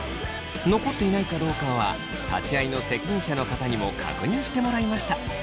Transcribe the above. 残っていないかどうかは立ち会いの責任者の方にも確認してもらいました。